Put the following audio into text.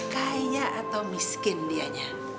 kaya atau miskin dianya